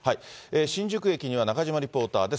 新宿駅には中島リポーターです。